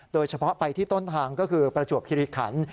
โดยเฉพาะไปที่ต้นทางก็คือประจวบคิริขัน